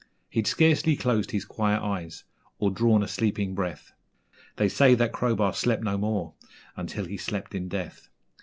He'd scarcely closed his quiet eyes or drawn a sleeping breath They say that Crowbar slept no more until he slept in death.